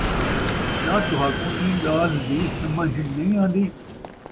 کیا تُہاکوں اِیں ڳالھ دِی سمجھ نہیں آندی،